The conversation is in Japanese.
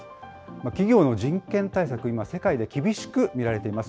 企業の人権対策、今、世界で厳しく見られています。